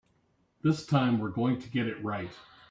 This time we're going to get it right.